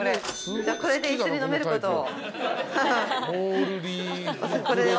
これで一緒に飲めることを。